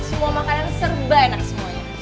semua makanan serba enak semuanya